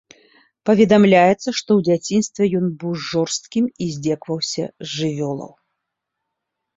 Паведамляецца, што ў дзяцінстве ён быў жорсткім і здзекаваўся з жывёлаў.